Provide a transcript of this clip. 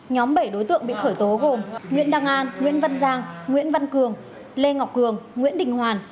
nhóm bảy đối tượng bị khởi tố gồm nguyễn đăng an nguyễn văn giang nguyễn văn cường lê ngọc cường nguyễn đình hoàn